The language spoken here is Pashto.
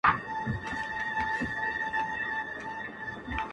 زما مرور فکر به څه لفظونه وشرنگوي.